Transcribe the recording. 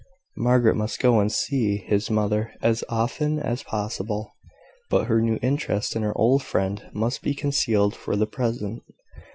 Margaret must go and see his mother as often as possible, but her new interest in her old friend must be concealed for the present.